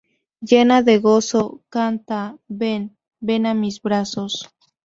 Llena de gozo, canta: "Ven, ven a mis brazos".